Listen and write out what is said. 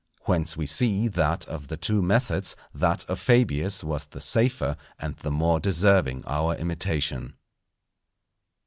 Whence we see that of the two methods, that of Fabius was the safer and the more deserving our imitation.